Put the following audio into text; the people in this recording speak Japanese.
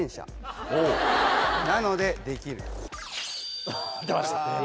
なので「できる」。出ました。